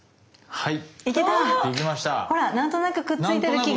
はい！